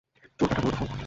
চোরকাঁটা মূলত ফল।